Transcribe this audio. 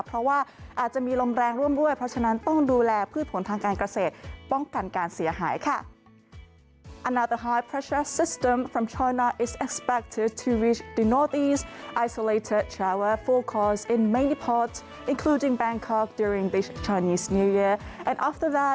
เพราะว่าอาจจะมีลมแรงร่วมด้วยเพราะฉะนั้นต้องดูแลพืชผลทางการเกษตรป้องกันการเสียหายค่ะ